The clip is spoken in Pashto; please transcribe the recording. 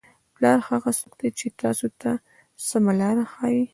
پلار هغه څوک دی چې تاسو ته سمه لاره ښایي.